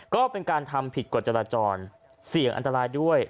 ก็เป็นการทำผิดกฎจราจรเสี่ยงอันตรายด้วย